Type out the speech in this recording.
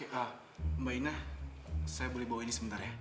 mbak ina saya boleh bawa ini sebentar ya